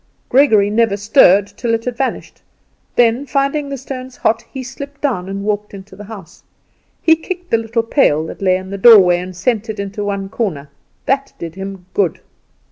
Gregory never stirred till it had vanished; then, finding the stones hot, he slipped down and walked into the house. He kicked the little pail that lay in the doorway, and sent it into one corner; that did him good.